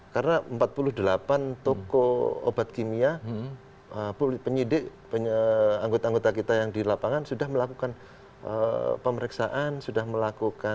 karena empat puluh delapan toko obat kimia penyidik anggota anggota kita yang di lapangan sudah melakukan pemeriksaan sudah melakukan